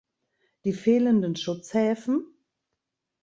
Die fehlenden Schutzhäfen?